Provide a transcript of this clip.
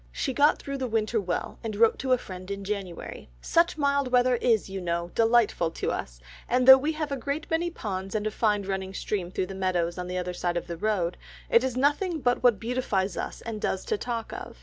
She got through the winter well, and wrote to a friend in January, "Such mild weather is, you know, delightful to us, and though we have a great many ponds and a fine running stream through the meadows on the other side of the road, it is nothing but what beautifies us and does to talk of.